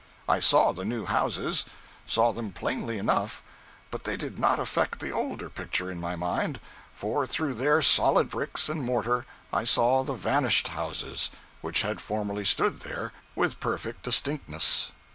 I saw the new houses saw them plainly enough but they did not affect the older picture in my mind, for through their solid bricks and mortar I saw the vanished houses, which had formerly stood there, with perfect distinctness.